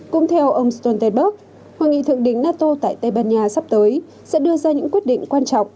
cũng theo ông stoltenberg hội nghị thượng đỉnh nato tại tây ban nha sắp tới sẽ đưa ra những quyết định quan trọng